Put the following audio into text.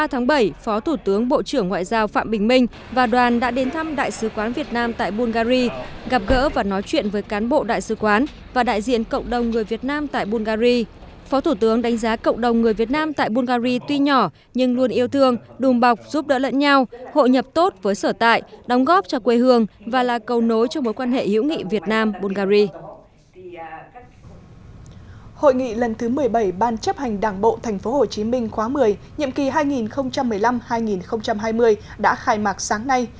hội nghị lần thứ một mươi bảy ban chấp hành đảng bộ tp hcm khóa một mươi nhiệm kỳ hai nghìn một mươi năm hai nghìn hai mươi đã khai mạc sáng nay